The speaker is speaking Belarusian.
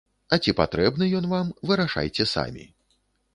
А ці патрэбны ён вам, вырашайце самі.